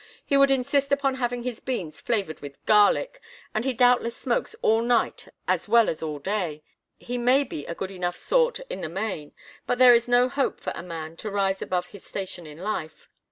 He would insist upon having his beans flavored with garlic, and he doubtless smokes all night as well as all day. He may be a good enough sort in the main, but there is no hope here for a man to rise above his station in life.